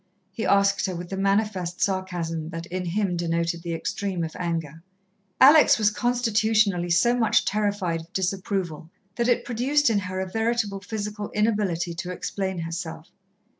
he asked her, with the manifest sarcasm that in him denoted the extreme of anger. Alex was constitutionally so much terrified of disapproval that it produced in her a veritable physical inability to explain herself.